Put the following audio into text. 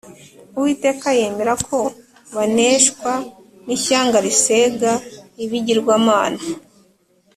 Uwiteka yemera ko baneshwa n’ishyanga risega ibigirwamana